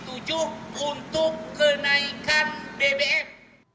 komisi tujuh untuk kenaikan bpm